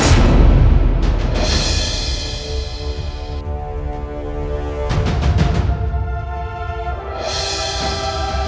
aku dan baik baik